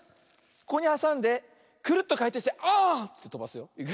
ここにはさんでクルッとかいてんしてあってとばすよ。